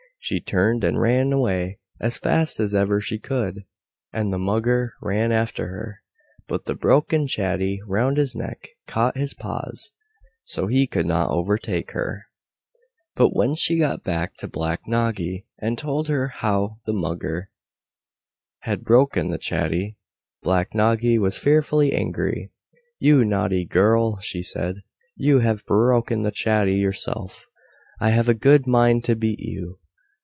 She turned and ran away as fast as ever she could, and the Mugger ran after her. But the broken chatty round his neck caught his paws, so he could not overtake her. But when she got back to Black Noggy, and told her how the Mugger had broken the chatty, Black Noggy was fearfully angry. "You naughty girl," she said, "you have broken the chatty yourself, I have a good mind to beat you."